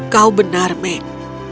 kau benar meg